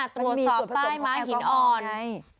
ตัวสอบใต้มหินอ่อน